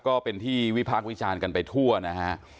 ก็เป็นที่วิพากษ์วิจารณ์กันไปทั่วนะฮะ